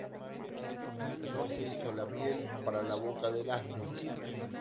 No se hizo la miel para la boca del asno